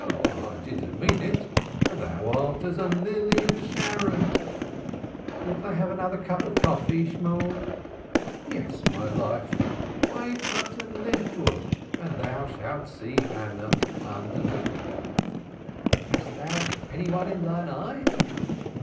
"I mean it. Thou art as a lily of Sharon." "Wilt thou have another cup of coffee, Shemuel?" "Yes, my life. Wait but a little and thou shalt see our Hannah under the Chuppah." "Hast thou any one in thine eye?"